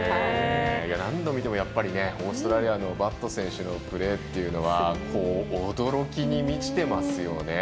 何度見てもオーストラリアのバット選手のプレーというのは驚きに満ちてますよね。